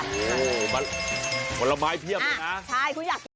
มันละมายเพียบเลยนะใช่คุณยักษ์